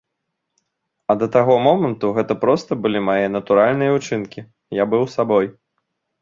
А да таго моманту гэта проста былі мае натуральныя ўчынкі, я быў сабой.